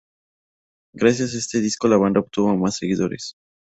Gracias a este disco la banda obtuvo mas seguidores.